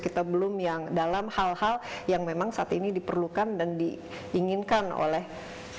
kita belum yang dalam hal hal yang memang saat ini diperlukan dan diinginkan oleh pemerintah